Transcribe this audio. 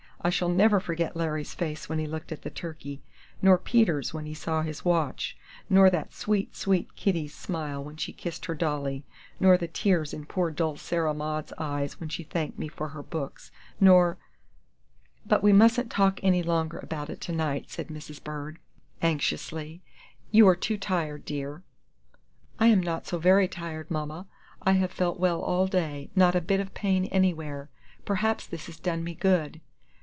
I shall never forget Larry's face when he looked at the turkey; nor Peter's, when he saw his watch; nor that sweet, sweet Kitty's smile when she kissed her dolly; nor the tears in poor, dull Sarah Maud's eyes when she thanked me for her books; nor " "But we mustn't talk any longer about it to night," said Mrs. Bird, anxiously; "you are too tired, dear." "I am not so very tired, Mama. I have felt well all day; not a bit of pain anywhere. Perhaps this has done me good."